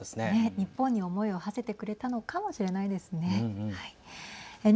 日本に思いをはせてくれたのかもしれないですね。